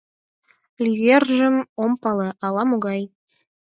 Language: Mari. «Льевыржым» ом пале, ала-могай.